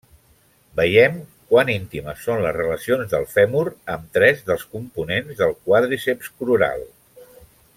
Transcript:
Veiem quan íntimes són les relacions del fèmur amb tres dels components del quàdriceps crural.